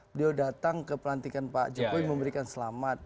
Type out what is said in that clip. beliau datang ke pelantikan pak jokowi memberikan selamat